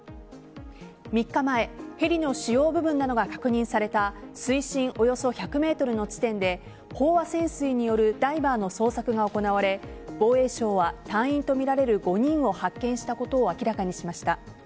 ３日前ヘリの主要部分などが確認された水深およそ１００ｍの地点で飽和潜水によるダイバーの捜索が行われ防衛省は、隊員とみられる５人を発見したことを明らかにしました。